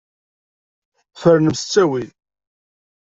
Fernem s ttawil.